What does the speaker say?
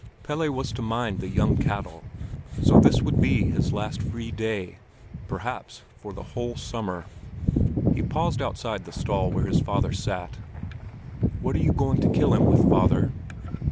Pelle was to mind the young cattle, so this would be his last free day, perhaps for the whole summer. He paused outside the stall where his father sat. "What are you going to kill him with, father?"